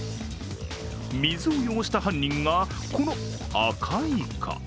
水を汚した犯人がこのアカイカ。